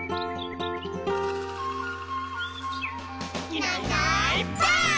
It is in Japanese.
「いないいないばあっ！」